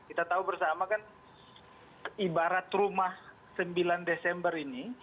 kita tahu bersama kan ibarat rumah sembilan desember ini